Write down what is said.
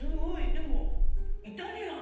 でもイタリアン！